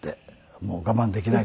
もう我慢できないぐらい。